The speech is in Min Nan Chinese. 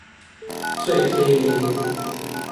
做體藝